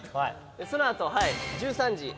そのあとはい１３時。